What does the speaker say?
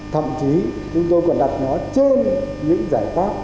thậm chí chúng tôi còn đặt nó trên những giải pháp